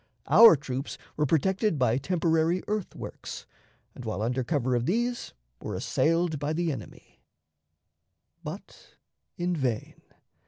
Our troops were protected by temporary earthworks, and while under cover of these were assailed by the enemy: "But in vain.